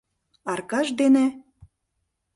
— Аркаш дене...